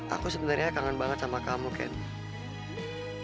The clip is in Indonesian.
aku sebenarnya kangen banget sama kamu kan